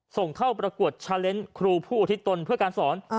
ส่งเข้าประกวดชาเลนส์ครูผู้อุทิศตนเพื่อการสอน